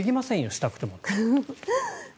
したくてもと。